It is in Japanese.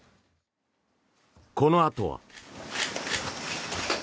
このあとは。